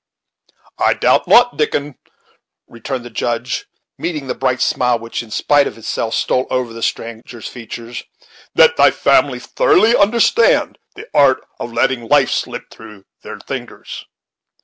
"I doubt not, Dickon," returned the Judge, meeting the bright smile which, in spite of himself, stole over the stranger's features, "that thy family thoroughly understand the art of letting life slip through their lingers."